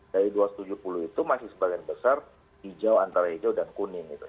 dari dua ratus tujuh puluh itu masih sebagian besar hijau antara hijau dan kuning